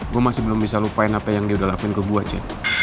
gue masih belum bisa lupain apa yang dia udah lakuin ke gue aja